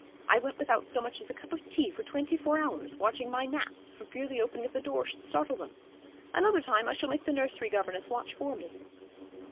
I went without so much as a cup of tea for twenty four hours, watching my gnats, for fear the opening of the door should startle them. Another time I shall make the nursery governess watch for me.'